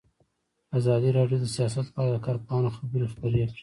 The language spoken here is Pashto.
ازادي راډیو د سیاست په اړه د کارپوهانو خبرې خپرې کړي.